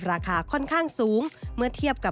เป็นอย่างไรนั้นติดตามจากรายงานของคุณอัญชาลีฟรีมั่วครับ